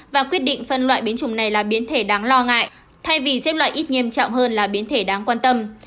và quyết định phân loại biến trùng này là biến thể đáng lo ngại thay vì xếp loại ít nghiêm trọng hơn là biến thể đáng quan tâm